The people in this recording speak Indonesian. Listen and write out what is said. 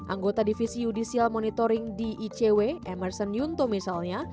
anggota divisi judicial monitoring di icw emerson yunto misalnya